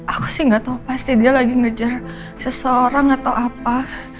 aku sih gak tau pasti dia lagi ngejar seseorang atau apa